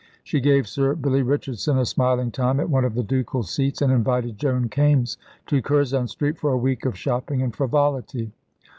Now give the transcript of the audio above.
She gave Sir Billy Richardson a smiling time at one of the ducal seats, and invited Joan Kaimes to Curzon Street for a week of shopping and frivolity.